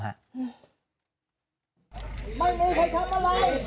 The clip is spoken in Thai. จับก่อนลงพื้นแบบนี้เลยครับคุณผู้ชมคุณขวัญครับ